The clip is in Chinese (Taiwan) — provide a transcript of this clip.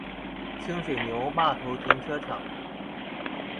清水牛罵頭停車場